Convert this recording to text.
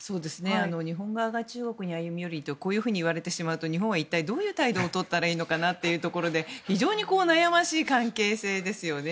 日本側が中国に歩み寄りと言われてしまうと日本は一体どういう態度をとったらいいのかなというところで非常に悩ましい関係ですよね。